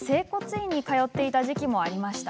院に通っていた時期もありました。